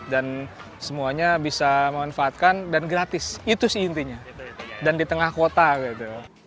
semuanya bisa memanfaatkan dan gratis itu sih intinya dan di tengah kota gitu